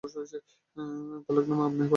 তালাকনামা আপনি পাঠাবেন না আমি পাঠাবো?